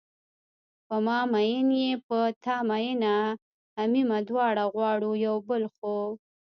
په ما میین یې په تا مینه همیمه دواړه غواړو یو بل خو